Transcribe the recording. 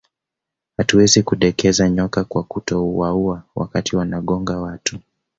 Hatuwezi kudekeza nyoka kwa kutowaua wakati wanagonga watu